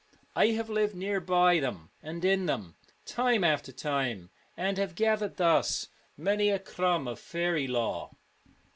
I have lived near by them and in them, time after time, and have gathered thus many a crumb of faery lore.